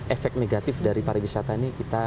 efek negatif dari pariwisata ini kita